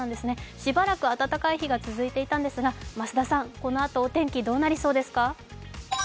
しばらく暖かい日が続いていたんですが、このあとお天気どうなりそうですか？